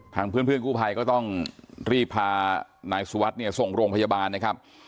เพื่อนกู้ภัยก็ต้องรีบพานายสุวัสดิ์เนี่ยส่งโรงพยาบาลนะครับ